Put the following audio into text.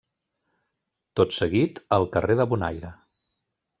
Tot seguit, El carrer de Bonaire.